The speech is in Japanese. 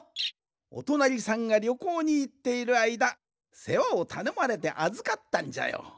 おとなりさんがりょこうにいっているあいだせわをたのまれてあずかったんじゃよ。